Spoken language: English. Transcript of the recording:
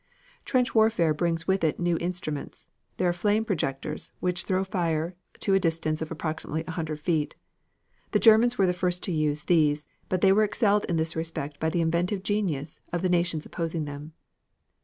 Trench warfare brings with it new instruments. There are the flame projectors, which throw fire to a distance of approximately a hundred feet. The Germans were the first to use these, but they were excelled in this respect by the inventive genius of the nations opposing them.